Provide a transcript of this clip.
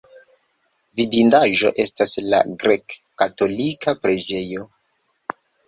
Vidindaĵo estas la grek-katolika preĝejo.